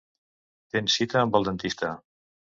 Tens cita amb el dentista.